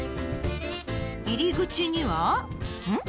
入り口にはうん？